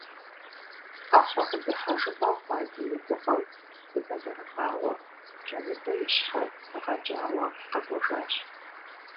Ӏэхъуэ къыдыхьэжыгъуэ хъуа димыгугъэу дыбэлэрыгъауэ, Джэмыдэ и щхьэр гъэкӀауэ къэкӀуэжащ.